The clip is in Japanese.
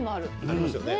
ありますよね。